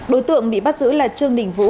đối tượng bị bắt giữ là trương đình vũ